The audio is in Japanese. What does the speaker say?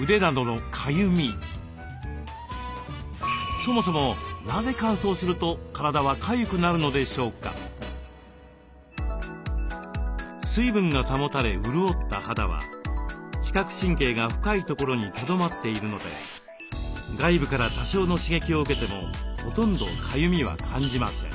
そもそも水分が保たれ潤った肌は知覚神経が深いところにとどまっているので外部から多少の刺激を受けてもほとんどかゆみは感じません。